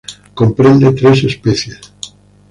Comprende tres especies.